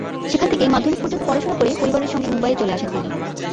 সেখান থেকেই মাধ্যমিক পর্যন্ত পড়াশোনা করে পরিবারের সঙ্গে মুম্বাইয়ে চলে আসেন তিনি।